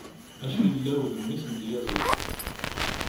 Acillaw d mmi-s n tyaziḍt.